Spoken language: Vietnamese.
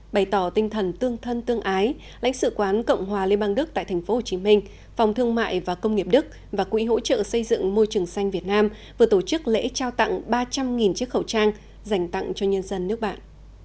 bày tỏ tinh thần tương thân tương ái lãnh sự quán cộng hòa liên bang đức tại tp hcm phòng thương mại và công nghiệp đức và quỹ hỗ trợ xây dựng môi trường xanh việt nam vừa tổ chức lễ trao tặng ba trăm linh chiếc khẩu trang dành tặng cho nhân dân nước bạn